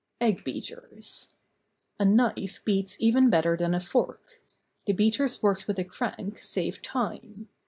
EGG BEATERS. A knife beats even better than a fork. The beaters worked with a crank save time.